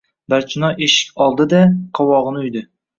Barchinoy eshik oldi-da qovog‘ini uydi.